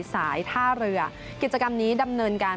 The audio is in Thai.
ท่าเรือกิจกรรมนี้ดำเนินการ